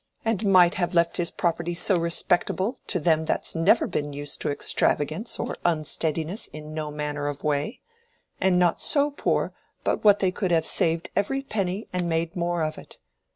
"And might have left his property so respectable, to them that's never been used to extravagance or unsteadiness in no manner of way—and not so poor but what they could have saved every penny and made more of it.